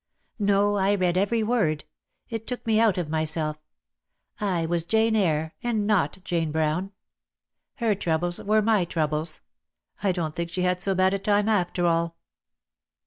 "No, I read every word. It took me out of my self. I was Jane Eyre — and not Jane Brown. Her troubles were my troubles. I don't think she had so bad a time after all."